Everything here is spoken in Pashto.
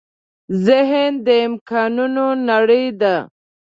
ذهن د امکانونو نړۍ ده.